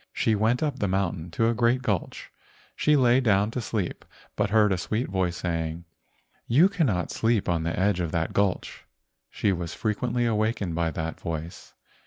She went up the mountain to a great gulch. She lay down to sleep, but heard a sweet voice saying, "You cannot sleep on the edge of that gulch." She was frequently awakened by that voice.